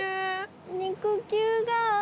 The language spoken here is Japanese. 肉球が。